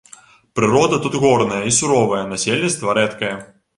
Прырода тут горная і суровая, насельніцтва рэдкае.